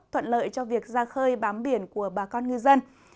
thuận lợi cho việc ra khơi bám biển của bà con ngư dân